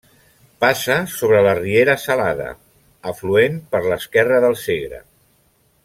Passa sobre la riera Salada, afluent per l'esquerra del Segre.